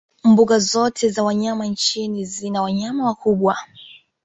mbuga zote za wanyama nchini zina wanayama wakubwa